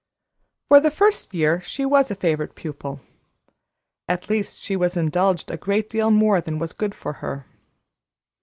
For the first year she was a favorite pupil; at least she was indulged a great deal more than was good for her.